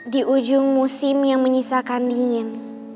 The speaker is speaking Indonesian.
di ujung musim yang menyisakan dingin